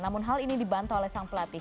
namun hal ini dibantah oleh sang pelatih